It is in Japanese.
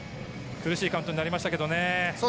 苦しいカウントになりましたけどね。